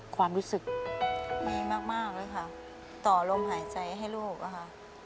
ความรู้สึกมีมากเลยค่ะต่อลมหายใจให้ลูกอะค่ะ